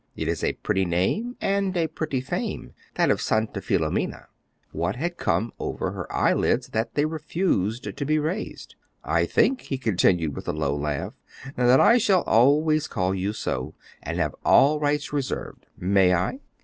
It is a pretty name and a pretty fame, that of Santa Filomena." What had come over her eyelids that they refused to be raised? "I think," he continued with a low laugh, "that I shall always call you so, and have all rights reserved. May I?"